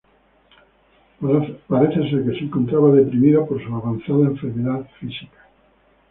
Parece ser que se encontraba deprimido por su avanzada enfermedad física.